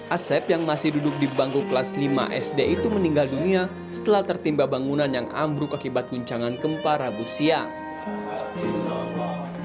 asep yang masih duduk di bangku kelas lima sd itu meninggal dunia setelah tertimbah bangunan yang ambruk akibat guncangan gempa rabu siang